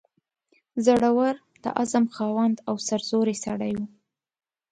زړه ور، د عزم خاوند او سرزوری سړی وو.